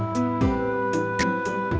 sampai jumpa lagi